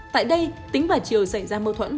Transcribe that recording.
tại đây tính và triều dạy ra mâu thuẫn